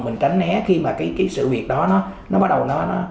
mình tránh né khi mà cái sự việc đó nó bắt đầu nó